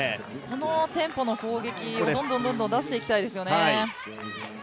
このテンポの攻撃をどんどんどんどん出していきたいですよね。